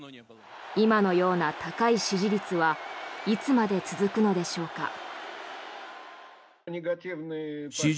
今のような高い支持率はいつまで続くのでしょうか。